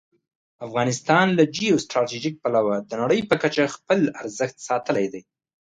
افغانستان له جیو سټراټژيک پلوه د نړۍ په کچه خپل ارزښت ساتلی دی.